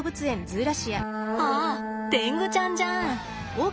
あテングちゃんじゃん。